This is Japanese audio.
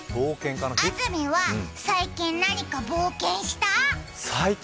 あずみは最近、何か冒険した？